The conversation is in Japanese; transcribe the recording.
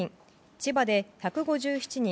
千葉で１５７人